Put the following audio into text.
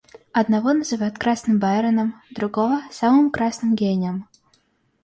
Одного называют красным Байроном, другого — самым красным Гейнем.